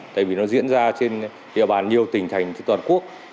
tại vì nó diễn ra trên địa bàn nhiều tỉnh thành trên toàn quốc